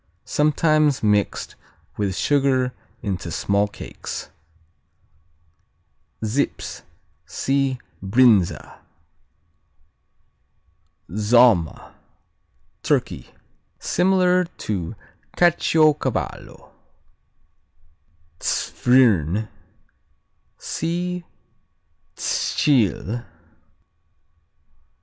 Sometimes mixed with sugar into small cakes. Zips see Brinza. Zomma Turkey Similar to Caciocavallo. Zwirn see Tschil.